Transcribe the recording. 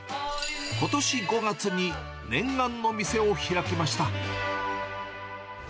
ことし５月に念願の店を開きました。